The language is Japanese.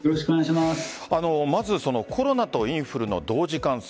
まずコロナとインフルの同時感染